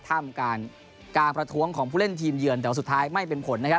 การการประท้วงของผู้เล่นทีมเยือนแต่ว่าสุดท้ายไม่เป็นผลนะครับ